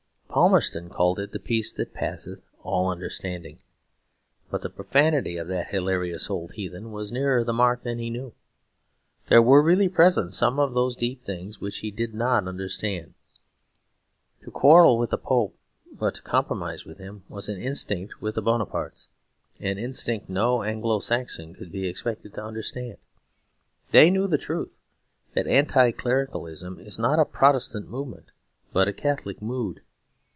Palmerston called it "the peace that passeth all understanding": but the profanity of that hilarious old heathen was nearer the mark than he knew: there were really present some of those deep things which he did not understand. To quarrel with the Pope, but to compromise with him, was an instinct with the Bonapartes; an instinct no Anglo Saxon could be expected to understand. They knew the truth; that Anti Clericalism is not a Protestant movement, but a Catholic mood.